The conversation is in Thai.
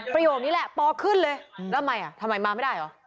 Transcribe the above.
ประโยคนี้แหละปอขึ้นเลยแล้วทำไมอ่ะทำไมมาไม่ได้เหรอ